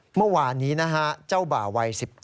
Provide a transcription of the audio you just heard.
เมื่อวานนี้นะฮะเจ้าบ่าวัย๑๙